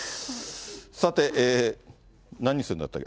さて、何するんだったっけ？